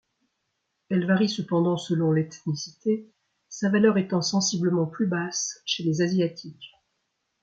Elle varie cependant selon l'ethnicité, sa valeur étant sensiblement plus basse chez les Asiatiques.